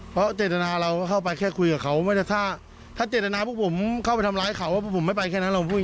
เพราะเจตนาเราเข้าไปแค่คุยกับเขาไม่ใช่ท่า